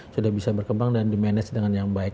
sudah bisa berkembang dan di manage dengan yang baik